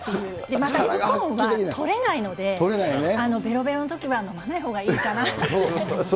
またウコンは取れないので、べろべろのときは飲まないほうがいいかなっていう。